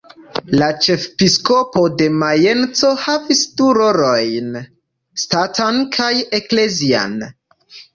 La ĉefepiskopo de Majenco havis du rolojn: ŝtatan kaj eklezian.